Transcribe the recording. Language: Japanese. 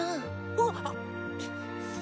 あっ。